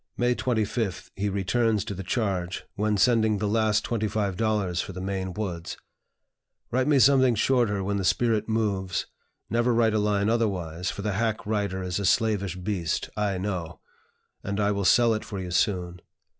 May 25th he returns to the charge, when sending the last twenty five dollars for the "Maine Woods": "Write me something shorter when the spirit moves (never write a line otherwise, for the hack writer is a slavish beast, I know), and I will sell it for you soon.